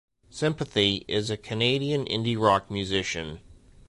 Sympathy, is a Canadian indie rock musician.